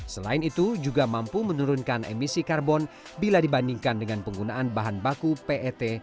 selain itu juga mampu menurunkan emisi karbon bila dibandingkan dengan penggunaan bahan baku pet